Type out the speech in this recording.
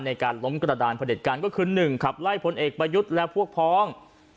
ในการล้มกระดานผลิตการก็คือ๑ขับไล่พลเอกประยุทธ์และพวกพ้อง